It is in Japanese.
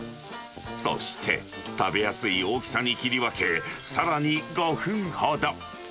そして、食べやすい大きさに切り分け、さらに５分ほど。